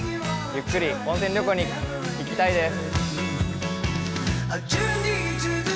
ゆっくり温泉旅行に行きたいです。